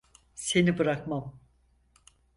Seni bırakmam.